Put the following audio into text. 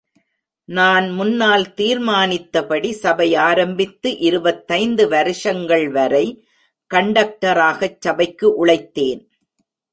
நான் முன்னால் தீர்மானித்தபடி, சபை ஆரம்பித்து இருபத்தைந்து வருஷங்கள் வரை கண்டக்டராகச் சபைக்கு உழைத்தேன்.